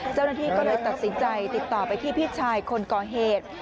เจ้าหน้าที่ก็เลยตัดสินใจติดต่อไปที่พี่ชายคนก่อเหตุ